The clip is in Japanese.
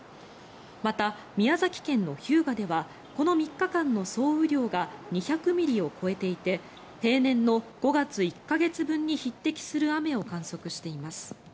また、宮崎県の日向ではこの３日間の総雨量が２００ミリを超えていて平年の５月１か月分に匹敵する雨を観測しています。